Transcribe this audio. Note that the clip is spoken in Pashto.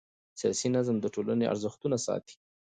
سیاسي نظام د ټولنې ارزښتونه ساتي